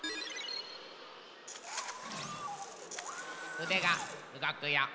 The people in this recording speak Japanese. うでがうごくよ。